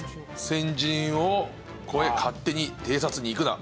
「先陣を越え勝手に偵察に行くな」